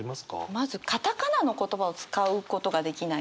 まずカタカナの言葉を使うことができないので。